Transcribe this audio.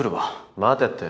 待てって。